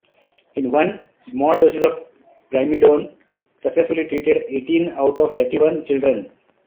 In one, small doses of primidone successfully treated eighteen out of thirty-one children.